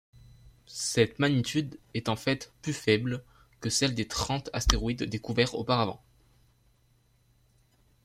Cette magnitude est en fait plus faible que celle des trente astéroïdes découverts auparavant.